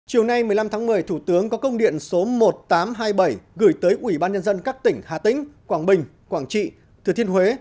chiều nay một mươi năm tháng một mươi thủ tướng có công điện số một nghìn tám trăm hai mươi bảy gửi tới ủy ban nhân dân các tỉnh hà tĩnh quảng bình quảng trị thừa thiên huế